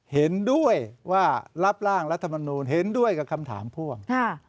เห็นด้วยว่ารับร่างรัฐมนูลเห็นด้วยกับคำถามพ่วง